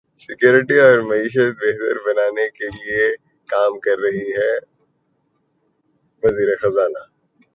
security اور معیشت بہتر بنانے کیلئے کام کر رہے ہیںوزیر خزانہ